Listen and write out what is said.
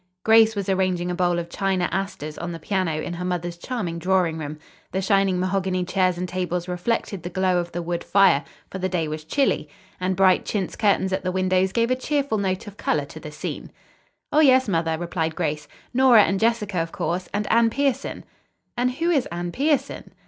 Grace was arranging a bowl of China asters on the piano in her mother's charming drawing room. The shining mahogany chairs and tables reflected the glow of the wood fire, for the day was chilly, and bright chintz curtains at the windows gave a cheerful note of color to the scene. "Oh, yes, mother," replied Grace. "Nora and Jessica, of course, and Anne Pierson." "And who is Anne Pierson?"